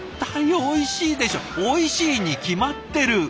おいしいに決まってる！